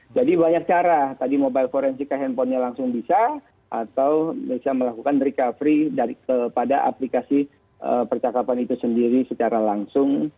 jadi banyak cara tadi mobile forensik ke handphone nya langsung bisa atau bisa melakukan recovery pada aplikasi percakapan itu sendiri secara langsung